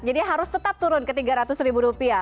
jadi harus tetap turun ke tiga ratus ribu rupiah